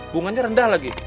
bunganya rendah lagi